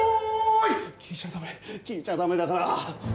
聞いちゃ駄目聞いちゃ駄目だから！